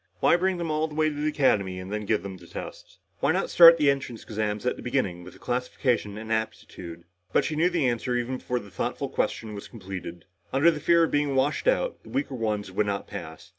Why bring them all the way to the Academy and then give the tests? Why not start the entrance exams at the beginning with the classification and aptitude? But she knew the answer even before the thoughtful question was completed. Under the fear of being washed out, the weaker ones would not pass.